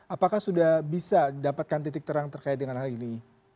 apakah sudah bisa dapatkan titik terang terkait dengan hal ini